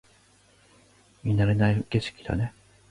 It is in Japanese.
見慣れない景色だね